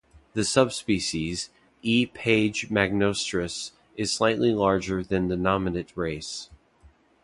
The subspecies, "E. page magnostris" is slightly larger than the nominate race.